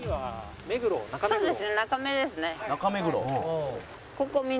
目黒中目黒。